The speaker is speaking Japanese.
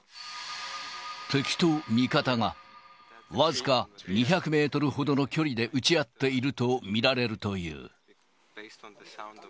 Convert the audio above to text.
敵と味方が僅か２００メートルほどの距離で撃ち合っていると見られるという。